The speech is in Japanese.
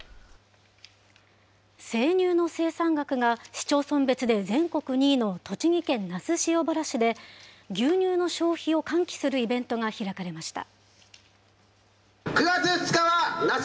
生乳の生産額が市町村別で全国２位の栃木県那須塩原市で、牛乳の消費を喚起するイベントが開かれました。